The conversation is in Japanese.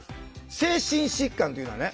精神疾患というのはね